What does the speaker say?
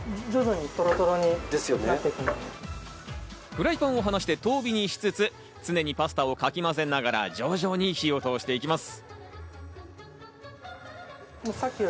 フライパンを離して遠火にしつつ、常にパスタをかきまぜながら、徐々に火を通していきます。